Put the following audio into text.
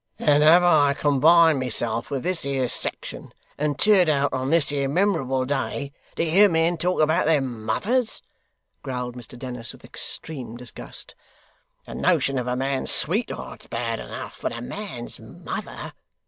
'And have I combined myself with this here section, and turned out on this here memorable day, to hear men talk about their mothers!' growled Mr Dennis with extreme disgust. 'The notion of a man's sweetheart's bad enough, but a man's mother!